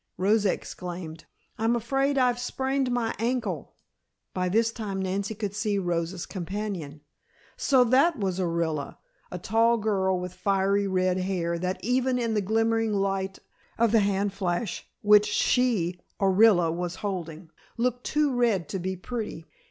Rosa exclaimed, "I'm afraid I've sprained my ankle!" By this time Nancy could see Rosa's companion. So that was Orilla! A tall girl with fiery red hair that even in the glimmering light of the hand flash which she, Orilla, was holding, looked too red to be pretty.